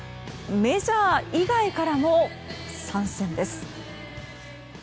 メジャー以外からも参戦です。